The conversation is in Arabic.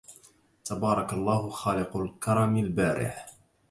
تبارك الله خالق الكرم البارع